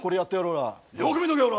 よく見とけおら。